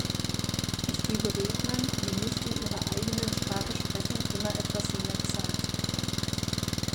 Ich gebe Rednern, die nicht in ihrer eigenen Sprache sprechen, immer etwas mehr Zeit.